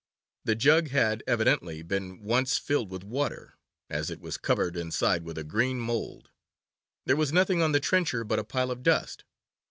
The jug had evidently been once filled with water, as it was covered inside with green mould. There was nothing on the trencher but a pile of dust.